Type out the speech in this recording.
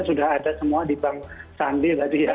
sudah ada semua di bank sandi